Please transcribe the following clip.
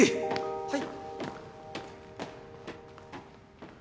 はい。